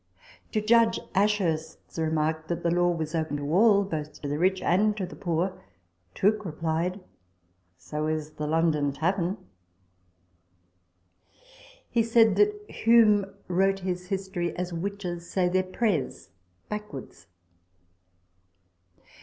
To Judge Ashhurst's remark that the law was open to all, both to the rich and to the poor, Tooke replied, " So is the London Tavern." He said that Hume wrote his History as witches say their prayers backwards.